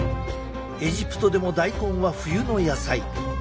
エジプトでも大根は冬の野菜。